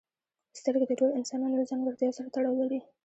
سترګې د ټولو انسانانو له ځانګړتیاوو سره تړاو لري.